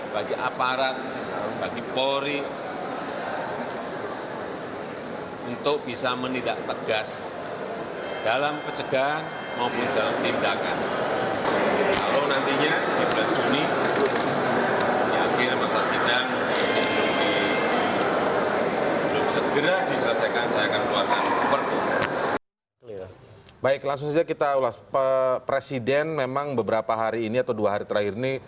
baik langsung saja kita ulas presiden memang beberapa hari ini atau dua hari terakhir ini